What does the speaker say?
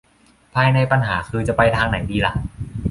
ภายในปัญหาคือจะไปทางไหนดีล่ะ